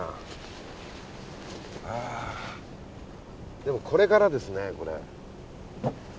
でもこれからですねこれ。